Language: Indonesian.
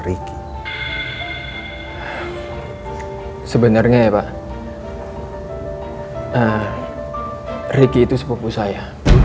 ricky itu sepupu saya